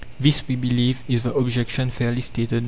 This, we believe, is the objection fairly stated.